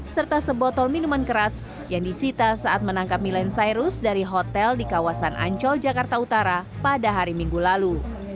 serta sebotol minuman keras yang disita saat menangkap milen cyrus dari hotel di kawasan ancol jakarta utara pada hari minggu lalu